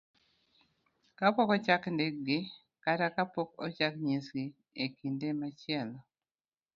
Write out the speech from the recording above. kapok ochak ndikgi, kata kapok ochak nyisgi e kinde machielo.